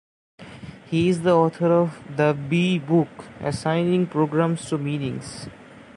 He is the author of "The B-Book: Assigning Programs to Meanings".